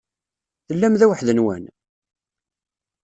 Tellam da weḥd-nwen?